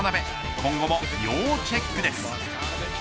今後も要チェックです。